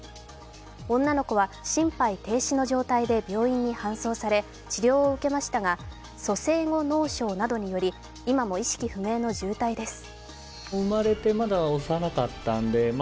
女の子は心肺停止の状態で病院に搬送され、治療を受けましたが蘇生後脳症などにより今も意識不明の重体です。